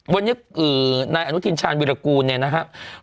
วันนี้คือนายอนุทินชาญวิรากูล